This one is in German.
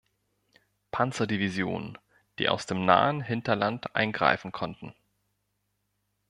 Panzer-Division, die aus dem nahen Hinterland eingreifen konnten.